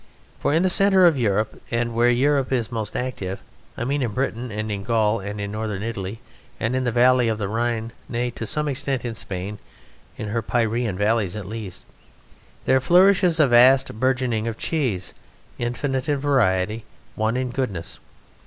For in the centre of Europe, and where Europe is most active, I mean in Britain and in Gaul and in Northern Italy, and in the valley of the Rhine nay, to some extent in Spain (in her Pyrenean valleys at least) there flourishes a vast burgeoning of cheese, infinite in variety, one in goodness.